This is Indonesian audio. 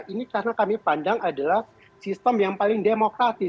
ini karena kami pandang adalah sistem yang paling demokratis